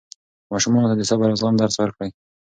ماشومانو ته د صبر او زغم درس ورکړئ.